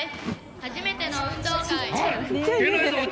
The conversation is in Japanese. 初めての運動会・おい！